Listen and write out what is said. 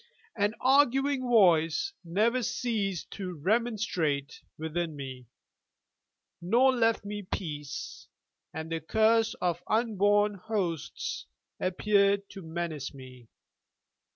An arguing Voice never ceased to remonstrate within me, nor left me peace, and the curse of unborn hosts appeared to menace me.